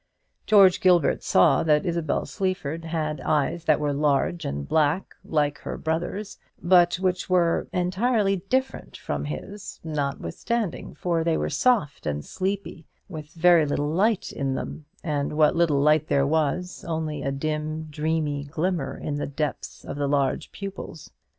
George Gilbert saw that Isabel Sleaford had eyes that were large and black, like her brother's, but which were entirely different from his, notwithstanding; for they were soft and sleepy, with very little light in them, and what little light there was, only a dim dreamy glimmer in the depths of the large pupils.